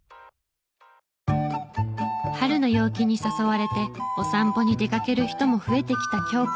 春の陽気に誘われてお散歩に出かける人も増えてきた今日この頃。